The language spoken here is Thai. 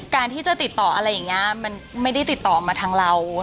การที่จะติดต่ออะไรอย่างนี้มันไม่ได้ติดต่อมาทางเรา